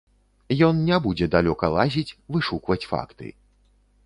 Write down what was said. Ён не будзе далёка лазіць, вышукваць факты.